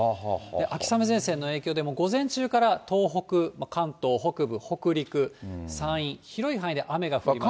秋雨前線の影響で、もう午前中から東北、関東北部、北陸、山陰、広い範囲で雨が降ります。